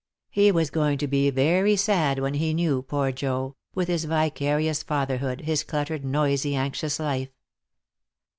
He was going to be very sad when he knew, poor Joe, with his vicarious fatherhood, his cluttered, noisy, anxious life.